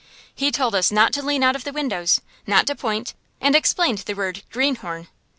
He told us not to lean out of the windows, not to point, and explained the word "greenhorn."